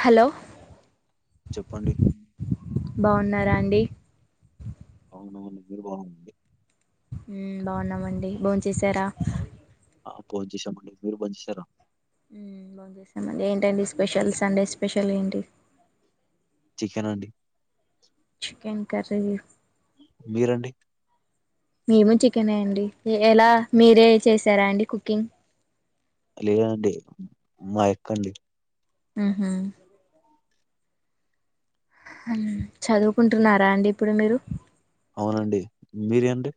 Hello చెప్పండి బావున్నారా అండి అవున అవును మీరు బాగుంది హ్మ్ బాగున్నామండి భోంచేసారా ఆ భొంచేసమండి మీరు భోంచేసారా హ్మ్ భోంచేసామండి ఏంటండి స్పెషల్ సండే స్పెషల్ ఏంటి చికెన్ అండి చికెన్ కర్రీ మీరండి మేము చికెనే అండి ఎలా మీరే చేసారా అండి కుకింగ్ లేదండి మా ఎక్కండి హ్మ్ హు హ్మ్ చదువుకుంటున్నారా అండి ఇప్పుడు మీరు అవునండి మీరండి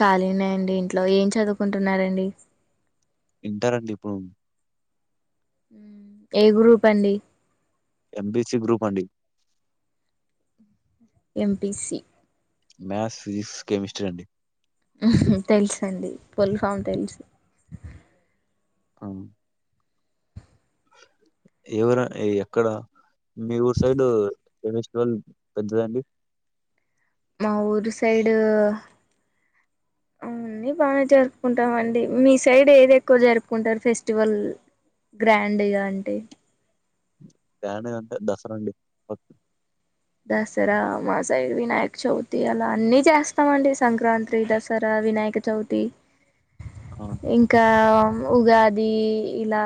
ఖాళీనే అండి ఇంట్లో ఏం చదువుకుంటున్నారండి. ఇంటర్ అండి ఇప్పుడు మ్మ్, ఏ గ్రూప్ అండి ఎంపిసి గ్రూప్ అండి ఎంపీసీ మ్యాథ్స్ ఫిజిక్స్ కెమిస్ట్రీ అండి హ్మ్ హు తెలుసండి పుల్ ఫామ్ తెలుసు అవును ఎవర ఎక్కడ మీ ఊరు సైడు ఏ పెస్టివల్ పెద్దదండి మా ఊరి సైడు హ్మ్ అన్నీ బాగానే జరుపుకుంటామండి మీ సైడ్ ఏది ఎక్కువ జరుపుకుంటారు ఫెస్టివల్ గ్రాండ్ గా అంటే గ్రాండ్ గా అంటే దసర అండి దసరా మా సైడ్ వినాయక చవితి అలా అన్ని చేస్తామండి సంక్రాంత్రి దసరా వినాయక చవ్తి ఆ ఇంకా ఉగాది ఇలా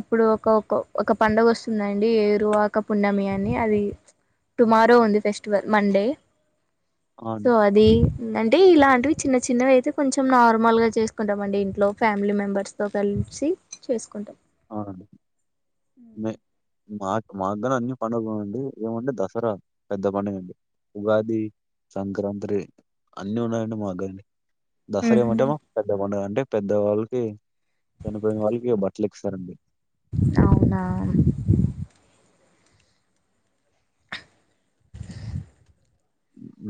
ఇప్పుడు ఒక ఒక ఒక పండుగ వస్తుందండి ఏరువాక పున్నమి అని అది టుమారో ఉంది ఫెస్టివల్ మండే ఆ! సో అండి. అ ది అంటే ఇలాంటివి చిన్న చిన్నవి అయితే కొంచెం నార్మల్ గా చేసుకుంటం వండి ఇంట్లో ఫ్యామిలీ మెంబర్స్ తో కలిసి చేసుకుంటాం అవునా మే మాకు మాకుగానీ అన్ని పండుగలు అండి ఏమంటె దసరా పెద్ద పండుగ అండి ఉగాది సంక్రాంత్రి అన్నీ ఉన్నాయండి మాగని దసరా ఏమంటేమో పెద్ద పండుగ అంటే పెద్దవాళ్ళకి చనిపోయిన వాళ్ళకి బట్టలు ఇస్తారండి అవునా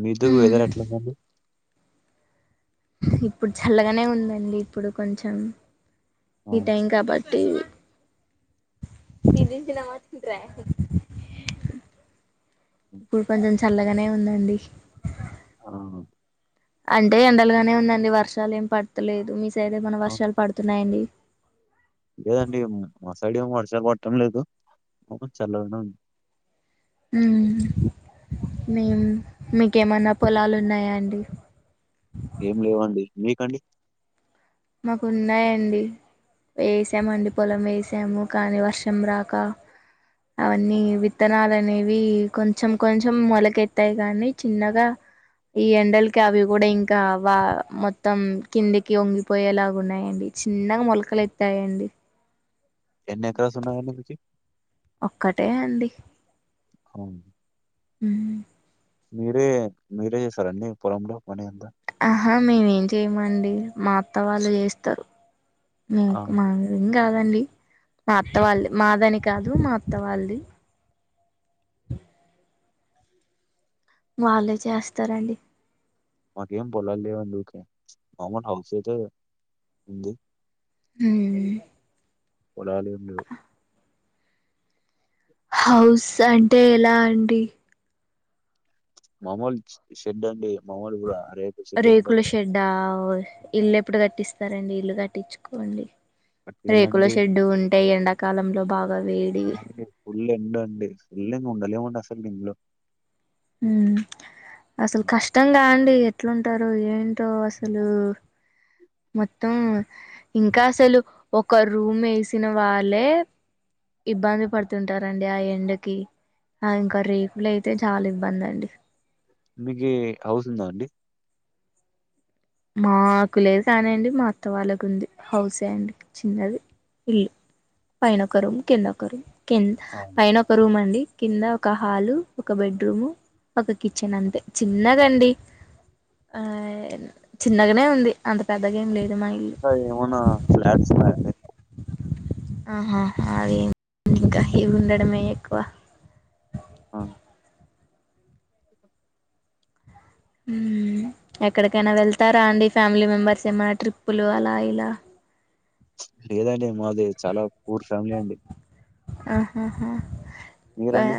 మీతో వెదర్ ఎట్లుందండి ఇప్పుడు చల్లగానే ఉందండి ఇప్పుడు కొంచెం ఆ ఈ టైం కాబ ఇది సినిమాస్కుంటిరా ఇప్పుడు కొంచెం చల్లగనే ఉందండి ఆహా అంటే ఎండలుగానే ఉందండి వర్షాలు ఏం పడ్తలేదు మీ సైడ్ ఏమనా ఆ వర్షాలు పడుతున్నాయండి లేదండి మా సైడ్ ఏం వర్షాలు పట్టం లేదు చల్లగనే ఉంది మ్మ్ మేం మీకేమన్నా పొలాలున్నయా అండి ఏం లేవండి మీకండి మాకు ఉన్నాయండి వేసామండి పొలం వేసాము కానీ వర్షం రాక అవన్నీ విత్తనాలనేవి కొంచెం కొంచెం మొలకెత్తాయి గానీ చిన్నగా ఈ ఎండల్కి అవి గూడా ఇంకా వా మొత్తం కిందికి ఒంగి పొయేలాగు ఉన్నాయండి చిన్నగా మొలకలు ఎత్తాయండి ఎన్నెకరాసున్నాయండి మీకి అక్కటే అండి కాంగ్ ఉ మీరే మీరే చేస్తరా అండి పొలంలో పనీ అంతా ఆహా మేమేం చేయమండి మా అత్త వాళ్ళు చేస్తారు ఆ మీక్ మా గాదండి మా అత్త వాళ్ళ్ మాదని కాదు మా అత్త వాళ్ది వాళ్ళే చేస్తారండి మాకేం పొలాల్ లేవందుక నామల్ హౌస్ అయితే ఉంది హ్మ్ కొడాలేం లేవ్ హౌస్ అంటే ఎలా అండి మామూల్ షెడ్ అండి మామూలు గూడా అరే రేకుల షెడ్డా ఇల్లెప్పుడు కట్టిస్తారండి ఇల్లు కట్టిచ్చుకోండి రేకుల పట్టుకెళ్ళండి షెడ్డు ఉంటే ఎండాకాలంలో బాగా వేడి అవునండి ఫుల్ ఎండు అండి ఫుల్లింగ్ ఉండలేమండి అసలు దీన్లో మ్మ్ అసలు కష్టంగా అండి ఎట్లుంటారు ఏంటో అసలు మొత్తం ఇంకా అసలు ఒక రూమ్ వేసిన వాళ్ళే ఇబ్బంది పడుతుంటారండి ఆ ఎండకి ఆ ఇంకా రేకులైతే చాల ఇబ్బందండి మీకి హౌస్ ఉందా అండి మాకు లేదు కానీండి మా అత్త వాళ్ళకుంది హౌసే అండి చిన్నది ఇల్లు పైనొకరం కిందొకరు కింద్ ఆ, పైన ఒక రూమ్ అండి కింద ఒక హాలు ఒక బెడ్రూము ఒక కిచెన్ అంతే చిన్నదండి ఆ చిన్నగనే ఉంది అంత పెద్దగేం లేదు మా ఇల్లు ఏమనా ఫ్లాట్స్ ఉన్నాయండి ఆహాహా అవేం ఇవుండడమే ఎక్కువ ఆ ఎక్కడికైనా వెళ్తారా అండి ఫ్యామిలీ మెంబర్స్ ఏమైన్న ట్రిప్పులు అలా ఇలా లేదండి మాది చాలా పూర్ ఫ్యామిలీ అండి ఆహాహా బా మీరండి?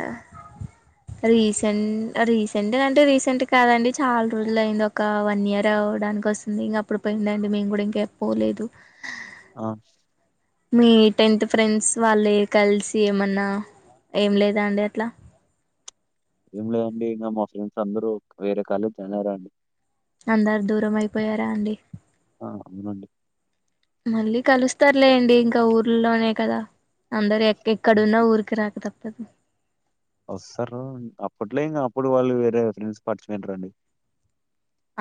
రీసెంట్ రీసెంట్ అంటే రీసెంట్ కాదండి చాలా రోజులు అయింది ఒక వన్ ఇయర్ అవడాని కోసం ఇంగ అప్పుడు పొంయిందండి మేం గుడా ఇంక పోలేదు. ఆ మీ టెన్త్ ఫ్రెండ్స్ వాళ్ళ కలిసి ఏమన్నా ఏం లేదాండి అట్లా ఏంలే అండి ఇంకా మా ఫ్రెండ్స్ అందరు వేరే కాలేజ్ చల్లదండి. అందరు దూరం అయిపోయారా అండి ఆ అవునండి మళ్ళీ కలుస్తార్ లేండి ఇంక ఊర్లోనే కదా అందరు ఎక్కెక్ క్కడున్న ఊరుకి రాక తప్పదు వస్తారు అప్పట్లో ఇంక అప్పుడు వాళ్ళు వేరే ఫ్రెండ్స్ పట్చిపోంటారుండి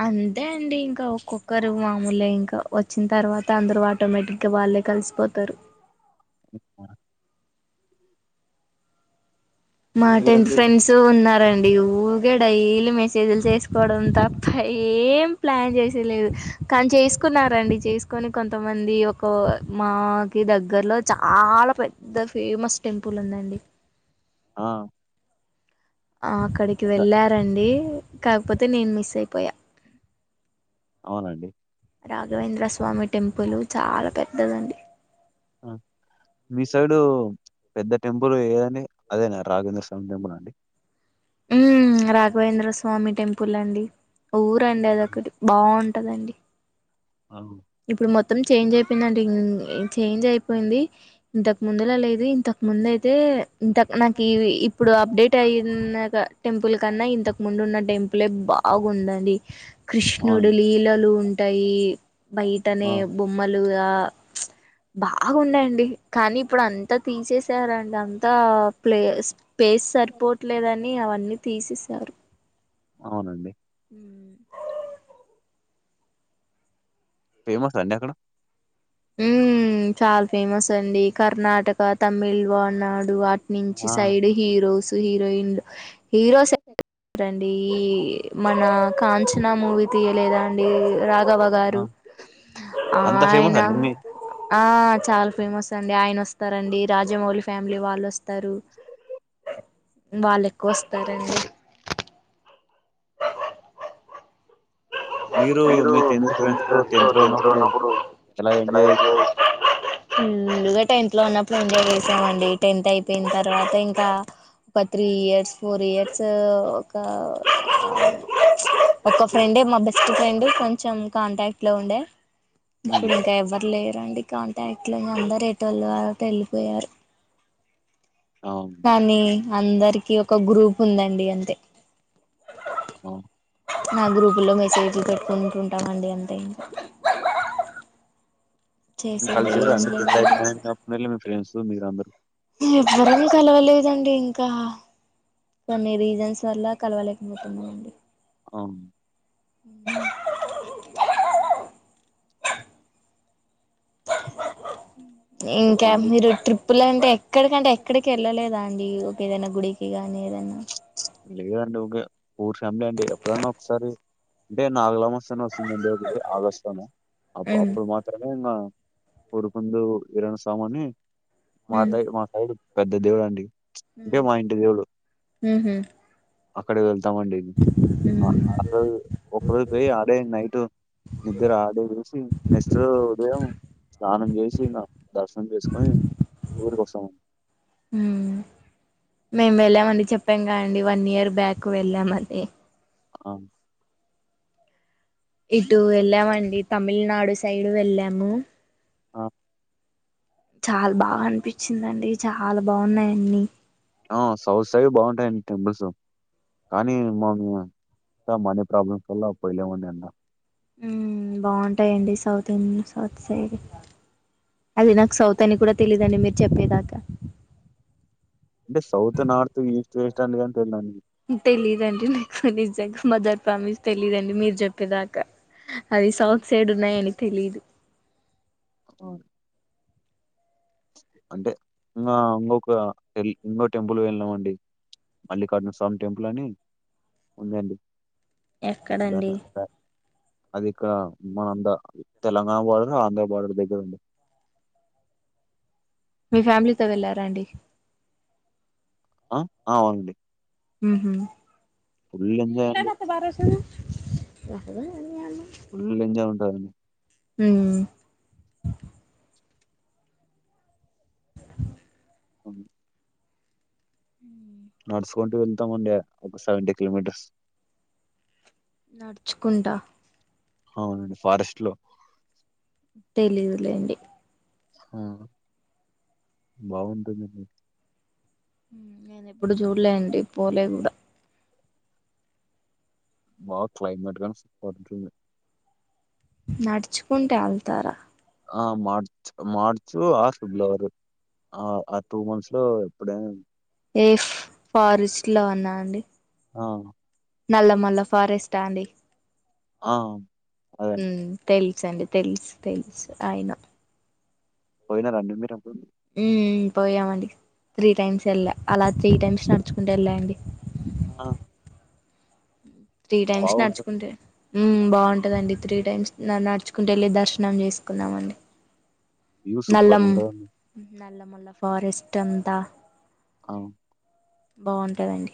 అంతే అండి ఇంకా ఒక్కో కరు మామూలే ఇంకా వచ్చిన తర్వాత అందరూ ఆటోమేటిక్గా వాళ్ళే కలిసిపోతారు మ్ అ మా టెన్త్ మీరండి? ఫ్రెండ్స్ చూ ఉన్నారండి ఊగే డైలీ మెసేజ్లు చేసుకోవడం తప్ప ఏం ప్లాన్ చేసేలేదు కాన్ చేస్కున్నారండి చేస్ కని కొంతమంది ఒక మాకి దగ్గరలో చాలా పె ద్ద ఫేమస్ టెంపుల్ ఉందండి ఆ అక్కడికి ద వెళ్ళారండి కాకపోతే నేను మిస్ అయిపోయా అవునండి. రాఘవేంద్ర స్వామి టెంపుల్ చాలా పెద్దదండి ఆ మీ సైడు పెద్ద టెంపుల్ ఏదండి అదేనా రాఘేంద్ర స్వామి టెంపుల్ అండి ఉ రాఘవేంద్ర స్వామి టెంపుల్ అండి ఊరండి అదొకటి బాగుంటదండి అవును ఇప్పుడు మొత్తం చేంజ్ అయిపోయిందండి చేంజ్ అయిపోయింది ఇంతక్ ముందులా లేదు ఇంత ముందైతే ఇంత నాకివీ ఇప్పుడు అప్డేట్ అయినాక టెంపుల్ కన్నా ఇంతకు ముందు ఉన్న టెంపులే బాగుండది అవునండి. కృష్ణుడు లీలలు ఉంటయీ ఆ! బైటనే బొమ్మలుగా బాగుండేయండి కానీ ఇప్పుడు అంతా తీసేసారండి అంతా ప్లేస్ పేస్ సరిపోవట్లేదని అవన్నీ తీసేసారు అవునండి ఉ ఫేమసా అండి అక్కడ? ఉ చాలా ఫేమస్ అండి కర్ణాటక తమిళ్ వానాడు నుంచి ఆ! సైడ్ హీరోస్ హీరోయిన్లు హీరోస్ ఉమ్ రండీ మనా కాంచన మూవీ తీయలేదా అండి రాఘవ ఆ! గారు ఆ అంత ఫేమసా అయనా అండి? మీ ఆ చాలా ఫేమస్ అండి ఆయన వస్తారండి రాజమౌళి ఫ్యామిలీ వాళ్ళు వస్తారు వాళ్ళు ఎక్కువ వస్తారండి మీరు మీ [unintelligible] ఉన్నప్పుడు ఎలా ఎంజాయ్ చేశారు? హుమ్ ఒకటే ఇంట్లో ఉన్నపుడు ఎంజాయ్ చేసామండి టెన్త్ అయిపోయిన తర్వాత ఇంకా ఒక త్రీ ఇయర్స్ ఫోర్ ఇయర్స్ ఒక ఒక ఫ్రెండే మా బె బెస్ట్ ఫ్రెండ్ కొంచెం కాంటాక్ట్ లో ఉండ హ్మ్. ఇప్పుడు ఇంకా ఎవ్వరు లేరండి కాంటాక్ట్ లో అందరు ఎటోళ్ళు అటు ఎళ్ళిపోయారు అవును కానీ అందరికి ఒక గ్రూప్ ఉందండి అంతే హుమ్ ఆ గ్రూపుల్లో మెసేజ్లు పెట్టుకుంటుంటామండి అంతే ఇంక అ చేసేది కలిసిర్రా ఏం అండి టెన్త్ లేదండి అయిపోయినాంక మీ ఫ్రెండ్స్ మీరందరూ ఎవ్వరం కలవలేదండి ఇంకా కొన్ని రీజన్స్ వల్ల కలవలేకపోతున్నాం అవునా ఆ ఇంకా చెప్పండి. మీరు ట్రిప్పులంటే ఎక్కడికంటే ఎక్కడికి వెళ్ళలేదా అండి ఎదన్న గుడికి గానీ ఏదన్న ఇంటికాడ్ డౌటే [unintelligible] అండి ఎప్పుడైన్నా ఒకసారి అంటే [unintelligible] [unintelligible] ఆగస్ట్ లోనా అ ఉమ్ అట్లనే ప్రమున్న కొడుకుండేవొడు కిరణ సాముని ఉమ్ మాతో మా సైడు పెద్ద ఎదవ అండి హుమ్ హు హు అక్కడే వెళ్తామండి అ [unintelligible] అక్కడికి పోయి ఆడే నైట్ నిద్దర ఆడే చేసి నెక్స్ట్ ఉదయం స్నానం చేసి ఇంకా దర్శనం చేసుకొని ఊరికొచ్చినం హుమ్ మేము వెళ్ళామండి చెప్పాం కదండి వన్ ఇయర్ బ్యాక్ వెళ్ళామని ఆ ఇటు వెళ్ళామండి తమిళనాడు సైడు వెళ్ళాము ఆ చాలా బాగా అనిపించిందండి చాలా బాగ ఉన్నాయ్ అన్నీ ఆ సౌత్ సైడ్ బాగుంటాయండి టెంపుల్స్ కానీ మాము మన ప్రాబ్లమ్స్ వల్ల వత్తయి కదండి అన్న హుమ్ బాగుంటాయండి సౌత్ ఇ సౌత్ సైడ్ అది నాకు సౌత్ అని కూడా తెలీదండి మీరు చెప్పేదాకా అంటే సౌత్ నార్త్ ఈస్ట్ వెస్ట్ గానీ తెలీదా అండి తెలీదండి నాకు నిజంగా మదర్ ప్రామిస్ తెలీదండి మీరు చెప్పేదాకా అది సౌత్ సైడ్ ఉన్నాయి అని తెలిదు హు అంటే ఇంకా ఇంకొక టెలి ఇంకో టెంపుల్ వెళ్ళినాం అండి మల్లికార్జున స్వామి టెంపుల్ అని ఉందండి ఎక్కడండి బానే ప అది ఒక మన ద తెలంగాణ బార్డర్ ఆంధ్ర బార్డర్ దగ్గర ఉంది మీ ఫ్యామిలీతో వెళ్ళారా అండి ఆ అవునండి మ్మ్ హు ఫుల్ ఎంజాయ్ ఫుల్ ఎంజాయ్ ఉంటాదండి మ్మ్ అమ్ మ్మ్ నడుచుకుంటూ వెళ్తామండి ఒక సెవెంటీ కిలోమీటర్స్ నడుచుకుంటా అవునండి ఫారెస్ట్ లో తెలీదులేండి మ్మ్ బాగుంటుందండి నేను ఎప్పుడు చూడలే అండి పోలే కూడా బాగ్ క్లైమేట్ గాని సూపర్ ఉంటుంది నడుచుకుంట వెళ్తారా ఆ మార్చ్ మార్చు ఆర్ ఫిబ్లవరి ఆ ఆ టూ మంత్స్ లో ఎప్పుడైనా ఏ ఫారెస్ట్ లోనా అండి ఆ నల్లమల్ల ఫ ఫారెస్టా అండి ఆ అదండి మ్మ్ తెల్సండి తెల్స్ తెల్స్ ఐ నో పోయినారా అండి మీరు అప్పుడు మ్మ్ పోయామండి త్రీ టైమ్స్ వెళ్ళా అలా త్రీ టైమ్స్ నడుచుకుంట వెళ్ళా అండి ఆ త్రీ టైమ్స్ బాగుంటది నడుచుకుంటు వెల్ మ్మ్ బాగుంటందండి త్రీ టైమ్స్ నడుచుకుంటూ వెళ్ళి దర్శనం చేసుకున్నామండి వ్యూ సూపర్ నల్లం ఉంటదండి నల్ల మల్ల ఫారెస్ట్ అంత ఆ బాగుంటదండి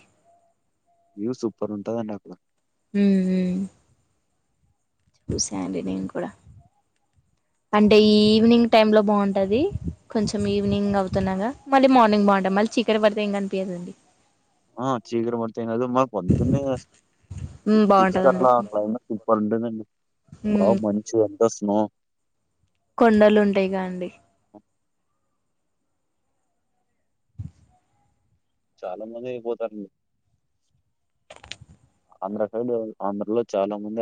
వ్యూవ్ సూపర్ ఉంటాదండి అక్కడ మ్మ్ ఓ శాండీ నీమ్ కూడా అంటే ఈవినింగ్ టైంలో బాగుంటది కొంచెం ఈవినింగ్ అవుతున్నాగా మళ్ళీ మార్నింగ్ బాగుంటాం మళ్ళీ చీకటి పడితే ఏం కనిపియాదండి ఆ చీకటి పడితే ఏంకాదు మా పొద్దున్నే మ్మ్ సిక్స్ కి బాగుంటదండి అట్లా క్లైమేట్ సూపర్ వుంటాదండి బాగా మ్మ్ మంచి అంతా స్నో కొండలుంటాయిగా అండి చాలా మంది నిద్దపోతారండి ఆంధ్ర సైడు ఆంధ్రలో చాలా మంది ఆ